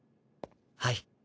はい。